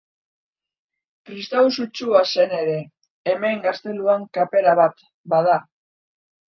Kristau sutsua zen ere, hemen gazteluan kapera bat bada.